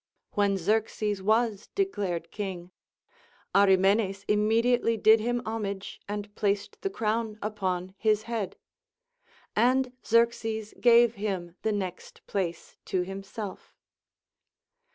When Xerxes was declared king, Arimenes immediately did him homage and placed the croAvn upon his head ; and Xerxes gave him the next place to himself.